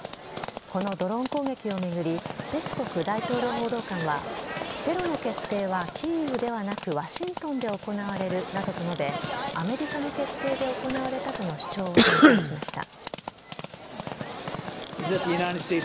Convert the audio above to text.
このドローン攻撃を巡りペスコフ大統領報道官はテロの決定はキーウではなくワシントンで行われるなどと述べアメリカの決定で行われたとの主張を展開しました。